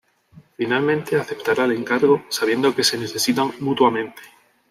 Finalmente aceptará el encargo, sabiendo que se necesitan mutuamente.